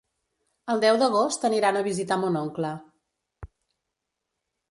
El deu d'agost aniran a visitar mon oncle.